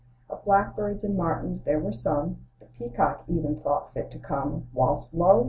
Of blackbirds and martins there were some ; The peacock even thought fit to come; Whilst lo!